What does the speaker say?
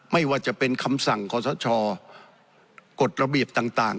ไม่ว่าจะเป็นคำสั่งขอสชกฎระเบียบต่าง